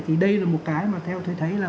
thì đây là một cái mà theo tôi thấy là